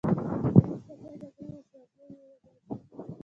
خو وروسته بیا جګړه وشوه او زوی یې ووژل شو.